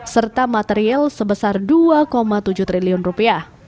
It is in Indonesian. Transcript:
serta material sebesar dua tujuh triliun rupiah